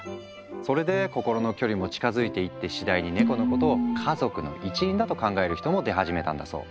それで心の距離も近づいていって次第にネコのことを家族の一員だと考える人も出始めたんだそう。